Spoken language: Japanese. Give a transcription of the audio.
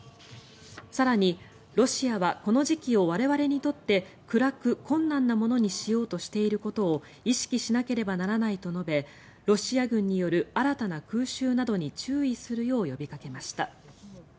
更に、ロシアはこの時期を我々にとって暗く困難なものにしようとしていることを意識しなければならないと述べロシア軍による新たな空襲などに注意するよう呼びかけました。